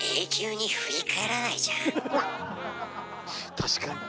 確かに！